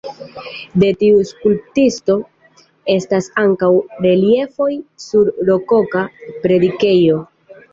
De tiu skulptisto estas ankaŭ reliefoj sur rokoka predikejo.